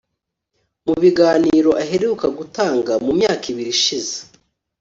Mu biganiro aheruka gutanga mu myaka ibiri ishize